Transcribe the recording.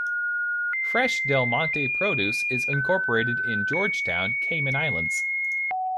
Fresh Del Monte Produce is incorporated in George Town, Cayman Islands.